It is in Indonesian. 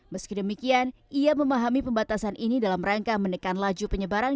meski demikian ia memahami pembatasan ini dalam rangka menekan laju penyebaran